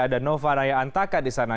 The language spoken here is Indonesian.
ada nova naya antaka di sana